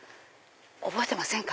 覚えてませんか？